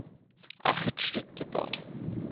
Acht Stück gebaut.